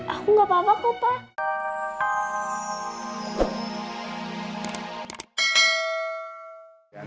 aku gak apa apa kok pak